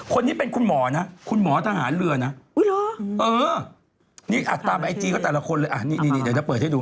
คนนี้เป็นคุณหมอนะคุณหมอทหารเรือนะนี่อัดตามไอจีก็แต่ละคนเลยอ่ะนี่เดี๋ยวจะเปิดให้ดู